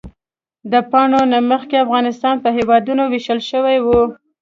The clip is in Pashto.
د پاڅون نه مخکې افغانستان په هېوادونو ویشل شوی و.